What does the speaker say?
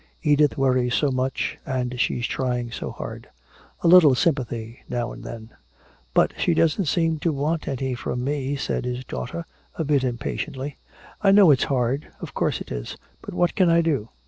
Edith worries so much and she's trying so hard. A little sympathy now and then " "But she doesn't seem to want any from me," said his daughter, a bit impatiently. "I know it's hard of course it is. But what can I do?